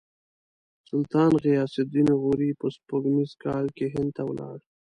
سلطان غیاث الدین غوري په سپوږمیز کال کې هند ته ولاړ.